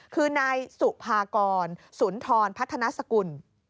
คือนายสุภากรสุนทรพัฒนาสกุล